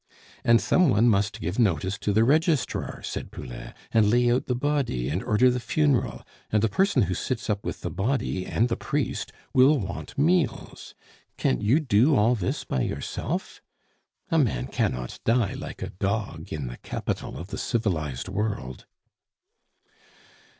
"And some one must give notice to the registrar," said Poulain, "and lay out the body, and order the funeral; and the person who sits up with the body and the priest will want meals. Can you do all this by yourself? A man cannot die like a dog in the capital of the civilized world."